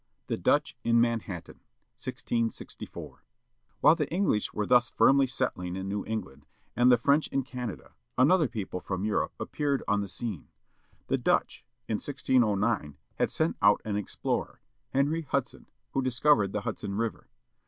THE DUTCH IN MANHATTAN. 1664 HILE the English were thus firmly settling in New England, and the French in Canada, another people from Europe appeared on the scene. The Dutch, in 1609, had sent out an explorer, Henry Hudson who discovered the Hudson River.